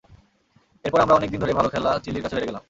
এরপর আমরা অনেক দিন ধরেই ভালো খেলা চিলির কাছেও হেরে গেলাম।